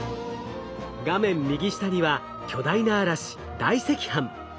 画面右下には巨大な嵐大赤斑。